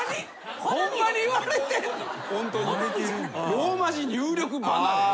ローマ字入力離れ。